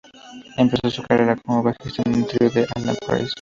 Empezó su carrera como bajista en un trío con Alan Price.